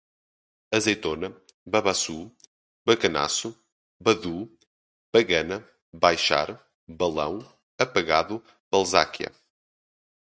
azeitona, babaçú, bacanaço, badú, bagana, baixar, balão apagado, balzáquia